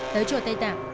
tới chùa tây tạng